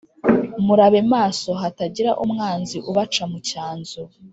Murabe maso hatagira umwanzi ubaca mucyanzu